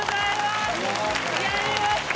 やりました！